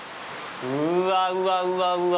うわうわうわうわ。